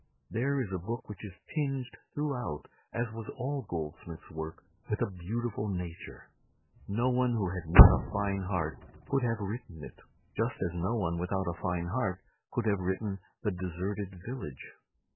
There is a book which is tinged throughout, as was all Goldsmith's work, with a beautiful nature. No one who had not a fine heart could have written it, just as no one without a fine heart could have written "The Deserted Village."